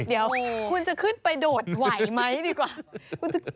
เดี๋ยวคุณจะขึ้นไปโดดไหวไหมดีกว่า